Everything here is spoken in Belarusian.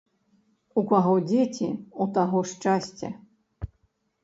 У каго дзеці, у таго шчасце